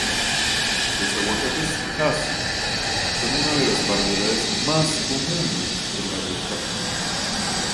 Los "aguacates hass" son una de las variedades más comunes de aguacate.